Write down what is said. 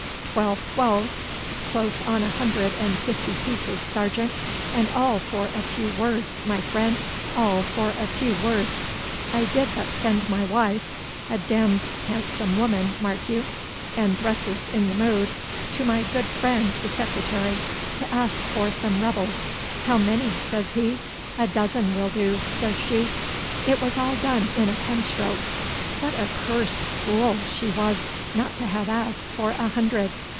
Twelve twelves, close on a hundred and fifty pieces, sergeant, and all for a few words, my friend, all for a few words. I did but send my wife, a demmed handsome woman, mark you, and dresses in the mode, to my good friend the secretary to ask for some rebels. "How many?" says he. "A dozen will do," says she. It was all done in a penstroke. What a cursed fool she was not to have asked for a hundred!